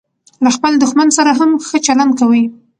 له خپل دوښمن سره هم ښه چلند کوئ!